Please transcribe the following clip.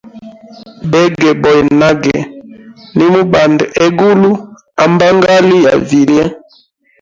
Begeboya nage, nimubanda hegulu, ha mbangali ya vilye.